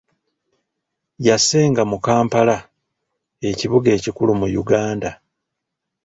Yassenga mu Kampala, ekibuga ekikulu mu Uganda